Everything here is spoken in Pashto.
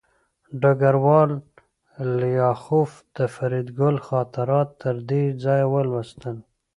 ډګروال لیاخوف د فریدګل خاطرات تر دې ځایه ولوستل